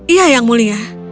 iya yang mulia